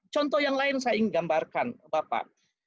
contoh yang lain saya ingin gambarkan bapak